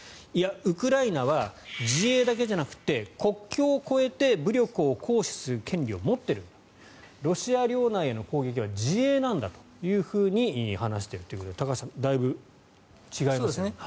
ウクライナは自衛だけじゃなくて国境を越えて武力を行使する権利を持っているんだロシア領内への攻撃は自衛なんだと話しているということで高橋さん、だいぶ違いますね。